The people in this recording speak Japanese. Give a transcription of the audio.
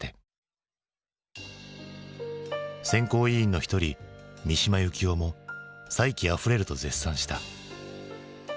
選考委員の一人三島由紀夫も「才気あふれる」と絶賛した。